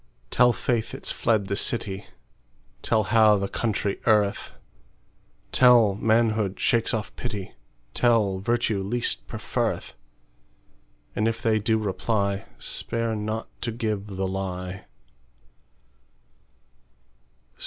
Tell faith it's fled the city; Tell how the country erreth; Tell, manhood shakes off pity; Tell, virtue least preferreth:And if they do reply, Spare not to give the lie.